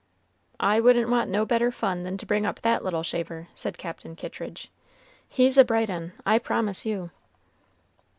"I wouldn't want no better fun than to bring up that little shaver," said Captain Kittridge; "he's a bright un, I promise you."